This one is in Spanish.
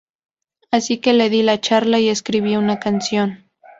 Así que le di la charla y escribí una canción".